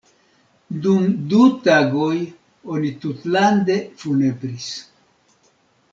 Dum du tagoj oni tutlande funebris.